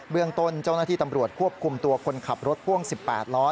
เรื่องต้นเจ้าหน้าที่ตำรวจควบคุมตัวคนขับรถพ่วง๑๘ล้อ